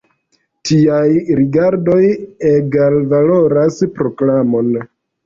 Tiaj rigardoj egalvaloras proklamon.